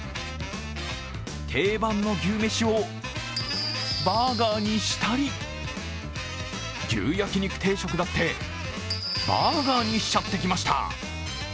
定番の牛めしをバーガーにしたり牛焼き肉定食だってバーガーにしちゃってきました。